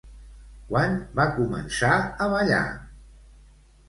Quan va començar a ballar?